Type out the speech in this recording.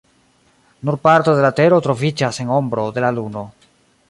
Nur parto de la tero troviĝas en ombro de la luno.